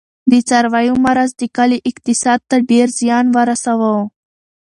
د څارویو مرض د کلي اقتصاد ته ډېر زیان ورساوه.